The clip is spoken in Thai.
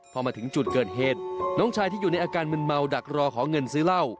พอมาถึงจุดเกิดเหตุน้องชายที่อยู่ในอาการมึนเมาดักรอขอเงินซื้อเหล้า